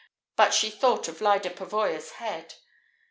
But she thought of Lyda Pavoya's head.